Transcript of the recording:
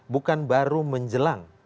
bukan baru menjelang